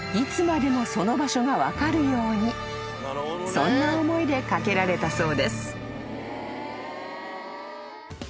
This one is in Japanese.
［そんな思いで掛けられたそうです］